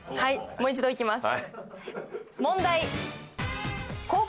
もう一度いきます。